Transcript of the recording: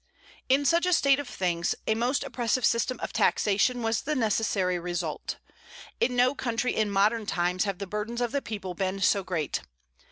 In such a state of things, a most oppressive system of taxation was the necessary result. In no country in modern times have the burdens of the people been so great.